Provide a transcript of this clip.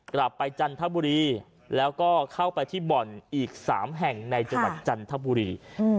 จันทบุรีแล้วก็เข้าไปที่บ่อนอีก๓แห่งในจังหวัดจันทบุรี